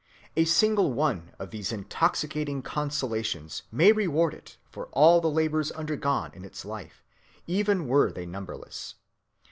A single one of these intoxicating consolations may reward it for all the labors undergone in its life—even were they numberless.